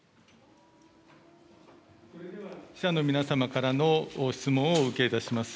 記者の皆様からの質問をお受けいたします。